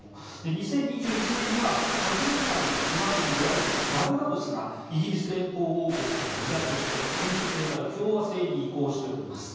２０２１年にはカリブ海の島国であるバルバドスがイギリス連邦王国から離脱して君主制から共和制に移行しております。